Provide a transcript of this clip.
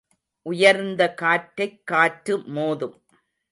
உயர்ந்த காற்றைக் காற்று மோதும்.